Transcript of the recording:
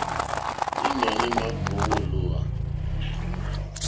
Ínɔ̀ní ímà kòówá ô lǒhwà.